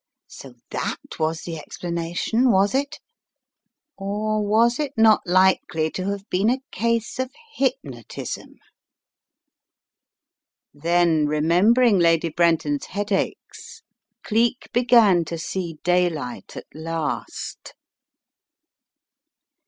So that was the explanation, was it? Or was it not likely to have been a case of hypnotism? Then remembering Lady Brenton's headaches Cleek began to see daylight at last.